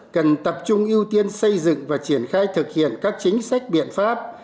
cần tập trung ưu tiên xây dựng và triển khai thực hiện các chính sách biện pháp